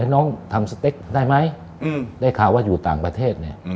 น้องทำสเปคได้ไหมได้ข่าวว่าอยู่ต่างประเทศเนี่ย